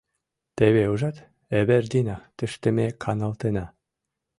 — Теве ужат, Эвердина, тыште ме каналтена.